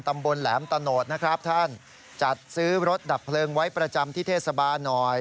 ตำบลแหลมตะโนดนะครับท่านจัดซื้อรถดับเพลิงไว้ประจำที่เทศบาลหน่อย